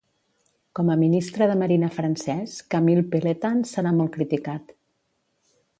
Com a ministre de marina francès, Camille Pelletan serà molt criticat.